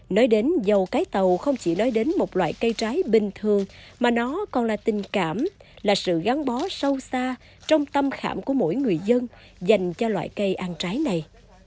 nói đến dâu cái tàu không chỉ nói đến một loại cây trái bình thường mà nó còn là tình cảm là sự gắn bó sâu xa trong tâm khảm của mỗi người dân dành cho loại cây ăn trái này